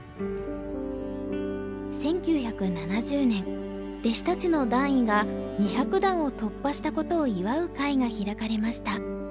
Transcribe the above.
１９７０年弟子たちの段位が２００段を突破したことを祝う会が開かれました。